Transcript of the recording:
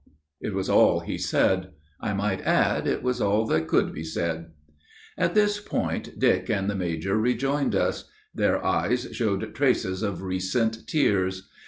It was all he said. I might add, it was all that could be said. At this point, Dick and the major rejoined us. Their eyes showed traces of recent tears.